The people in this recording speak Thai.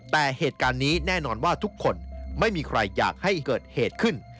แต่เหตุการณ์นี้แน่นอนว่าทุกคนไม่มีใครอยากให้เกิดเหตุขึ้น